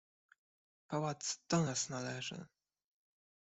"Pałac do nas należy!"